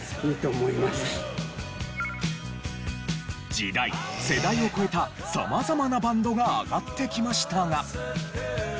時代世代を超えた様々なバンドが挙がってきましたが。